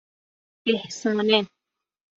اِحسانه